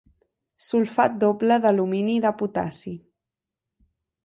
Sulfat doble d'alumini i de potassi.